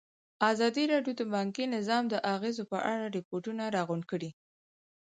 ازادي راډیو د بانکي نظام د اغېزو په اړه ریپوټونه راغونډ کړي.